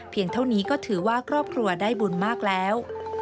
เท่านี้ก็ถือว่าครอบครัวได้บุญมากแล้ว